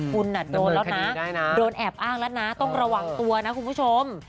คุณโดนแล้วนะโดนแอบอ้างแล้วนะต้องระวังตัวนะคุณผู้ชม